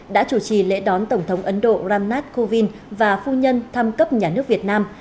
đã chủ trì lễ đón tổng thống ấn độ ram nath kovind và phu nhân tham cấp nhà nước việt nam